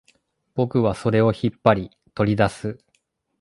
僕はそれを引っ張り、取り出す